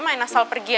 main asal pergi aja